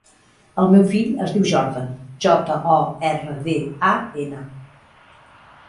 El meu fill es diu Jordan: jota, o, erra, de, a, ena.